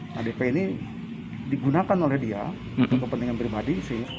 nah dp ini digunakan oleh dia untuk kepentingan pribadi sih